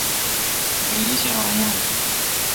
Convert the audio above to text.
malisho ya wanyama